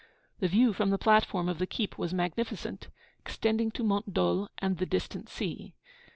The view from the platform of the keep was magnificent, extending to Mont Dol and the distant sea.